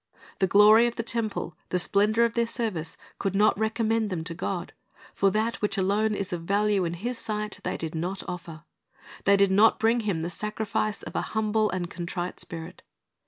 The glory of the temple, the splendor of their service, could not recommend them to God; for that which alone is of value in His sight thc\' did not offer. They did not bring Him the sacrifice of a humble and contrite spirit.